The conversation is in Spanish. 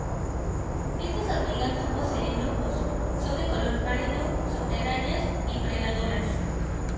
Estas hormigas no poseen ojos, son de color pálido, subterráneas y predadoras.